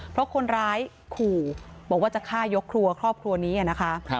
เพราะคนร้ายขู่บอกว่าจะฆ่ายกครัวครอบครัวนี้อะนะคะ